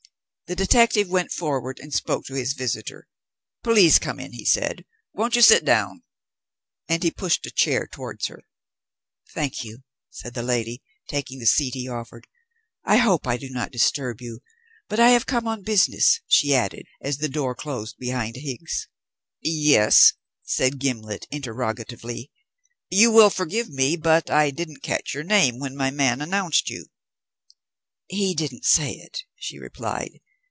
The detective went forward and spoke to his visitor. "Please come in," he said. "Won't you sit down?" And he pushed a chair towards her. "Thank you," said the lady, taking the seat he offered. "I hope I do not disturb you; but I have come on business," she added, as the door closed behind Higgs. "Yes?" said Gimblet interrogatively. "You will forgive me, but I didn't catch your name when my man announced you." "He didn't say it," she replied.